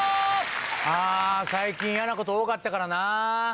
あ最近嫌なこと多かったからなぁ。